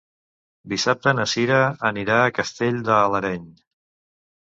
Dissabte na Cira anirà a Castell de l'Areny.